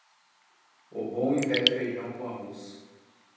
O bom e velho feijão com arroz